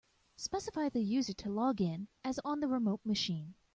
Specify the user to log in as on the remote machine.